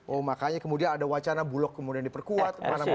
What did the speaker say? oh makanya kemudian ada wacana bulog kemudian diperkuat